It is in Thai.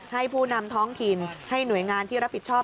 ผู้นำท้องถิ่นให้หน่วยงานที่รับผิดชอบ